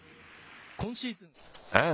今シーズン